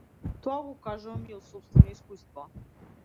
Тоа го кажувам и од сопствено искуство.